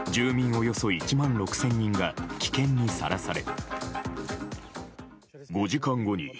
およそ１万６０００人が危険にさらされ。